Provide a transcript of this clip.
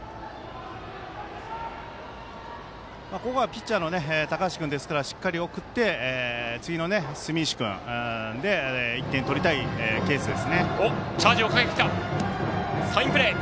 ここはピッチャーの高橋君ですからしっかり送って、次の住石君で１点取りたいケースですね。